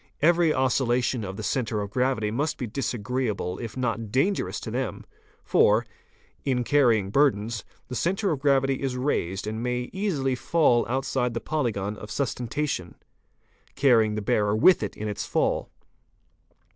Every oscillation of the centre 'of gravity must be disagreeable if not dangerous to them, for, in carrying burdens, the centre of gravity is raised and may easily fall outside the , yolygon of sustentation, carrying the bearer with it in its fall.